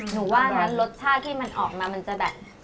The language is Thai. ว่างั้นรสชาติที่มันออกมามันจะแบบ